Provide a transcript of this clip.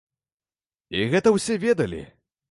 І гэта ўсе ведалі.